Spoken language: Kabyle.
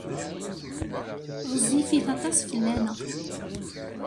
Ɣezzifit aṭas fell-aneɣ.